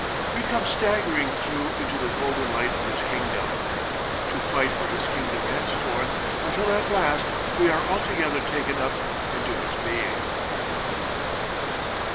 We come staggering through into the golden light of his kingdom, to fight for his kingdom henceforth, until at last we are altogether taken up into his being.